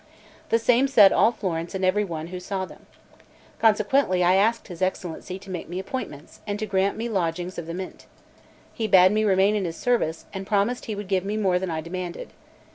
The same said all Florence and every one who saw them. Consequently I asked his Excellency to make me appointments, and to grant me the lodgings of the Mint. He bade me remain in his service, and promised he would give me more than I demanded.